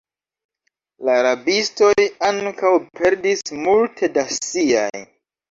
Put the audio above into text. La rabistoj ankaŭ perdis multe da siaj.